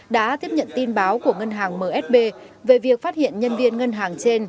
đã tiếp nhận tin báo của ngân hàng msb về việc phát hiện nhân viên ngân hàng trên